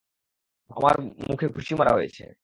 আমার মুখে ঘুষি মারা হয়েছে।